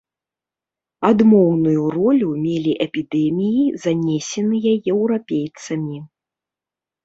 Адмоўную ролю мелі эпідэміі, занесеныя еўрапейцамі.